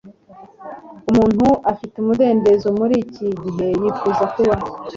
umuntu afite umudendezo muri iki gihe yifuza kuba